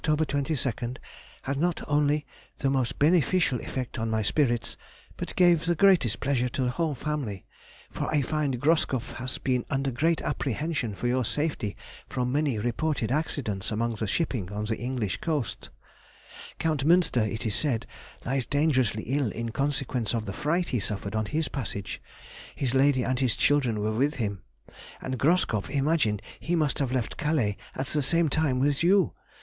22nd, had not only the most beneficial effect on my spirits, but gave the greatest pleasure to the whole family, for I find Groskopf had been under great apprehension for your safety from the many reported accidents among the shipping on the English coasts. Count Münster, it is said, lies dangerously ill in consequence of the fright he suffered on his passage (his lady and his children were with him), and Groskopf imagined he must have left Calais at the same time with you.